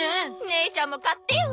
姉ちゃんも買ってよ！